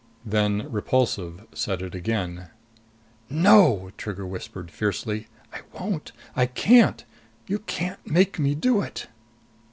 Then Repulsive said it again. "No!" Trigger whispered fiercely. "I won't! I can't! You can't make me do it!"